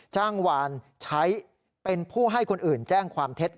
จ้างวานใช้เป็นผู้ให้คนอื่นแจ้งความเท็จ